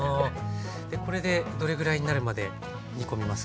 これでどれぐらいになるまで煮込みますか？